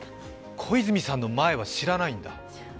小泉さんの前は知らないんだ。